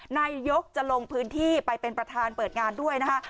นายกจะลงพื้นที่ไปเป็นประธานเปิดงานด้วยนะคะ